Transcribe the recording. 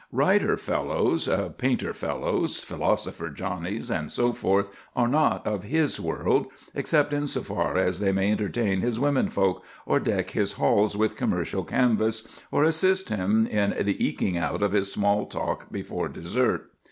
Writer fellows, painter fellows, philosopher Johnnies, and so forth are not of his world, except in so far as they may entertain his women folk, or deck his halls with commercial canvas, or assist him in the eking out of his small talk before dessert.